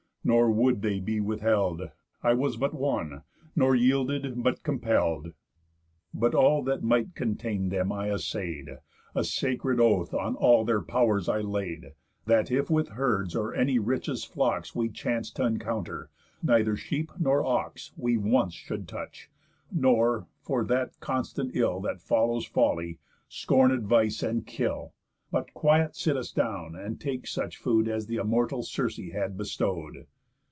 Nor would they be withheld; I was but one, nor yielded but compell'd. But all that might contain them I assay'd, A sacred oath on all their pow'rs I laid, That if with herds or any richest flocks We chanc'd t' encounter, neither sheep nor ox We once should touch, nor (for that constant ill That follows folly) scorn advice and kill, But quiet sit us down and take such food As the immortal Circe had bestow'd.